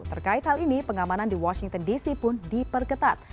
terkait hal ini pengamanan di washington dc pun diperketat